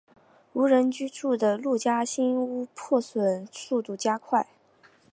无人居住的陆家新屋破损速度加快。